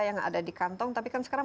yang ada di kantong tapi kan sekarang